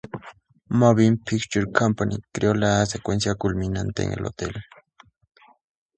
Moving Picture Company creó la secuencia culminante en el hotel.